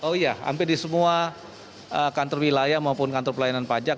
oh iya hampir di semua kantor wilayah maupun kantor pelayanan pajak